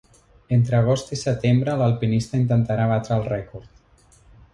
Entre agost i setembre, l’alpinista intentarà batre el rècord.